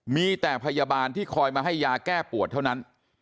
มีแต่พยาบาลที่คอยมาให้ยาแก้ปวดเท่านั้น